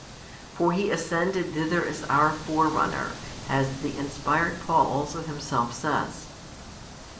For He ascended thither as our forerunner, as the inspired Paul also himself says.